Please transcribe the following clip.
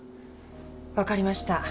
分かりました。